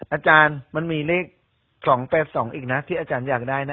อาจารย์มันมีเลข๒๘๒อีกนะที่อาจารย์อยากได้นะ